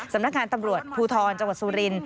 สำนักงานตำรวจภูทรจังหวัดสุรินท